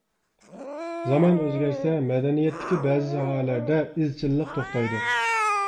زامان ئۆزگەرسە مەدەنىيەتتىكى بەزى ساھەلەردە ئىزچىللىق توختايدۇ.